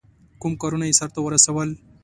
کوم کارونه یې سرته ورسول.